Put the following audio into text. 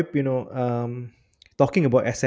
apa pendapat anda arief